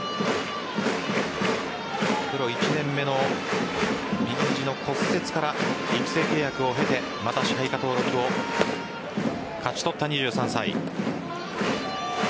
プロ１年目の右肘の骨折から育成契約を経てまた支配下登録を勝ち取った２３歳。